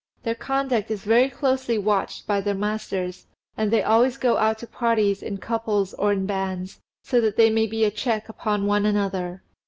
Their conduct is very closely watched by their masters, and they always go out to parties in couples or in bands, so that they may be a check upon one another.